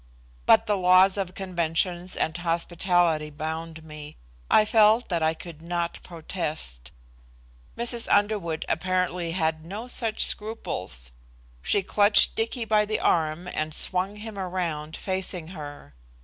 But the laws of conventions and hospitality bound me. I felt that I could not protest. Mrs. Underwood apparently had no such scruples. She clutched Dicky by the arm and swung him around facing her.